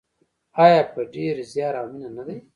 آیا په ډیر زیار او مینه نه دی؟